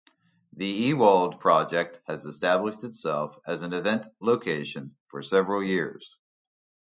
The Ewald project has established itself as an event location for several years.